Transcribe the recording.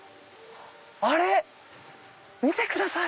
あれ見てください！